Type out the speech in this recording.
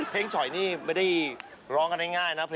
เพลงชอยนี่ไม่ได้ร้องกันง่ายนะครับ